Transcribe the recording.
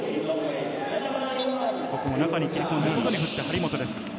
中に切り込んで、外に振って、張本です。